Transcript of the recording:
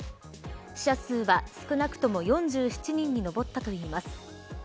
死者数は、少なくとも４７人に上ったといいます。